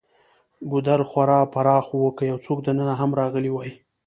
ګودر خورا پراخ و، که یو څوک دننه هم راغلی وای.